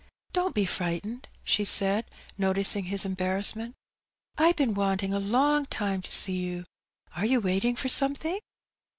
"Don't be frightened," she said, noticing his embarrass' ment. "I've been wanting a long time to see yon. Are yon waiting for something?"